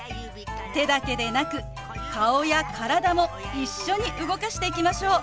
手だけでなく顔や体も一緒に動かしていきましょう！